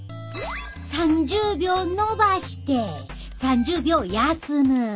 ３０秒のばして３０秒休む。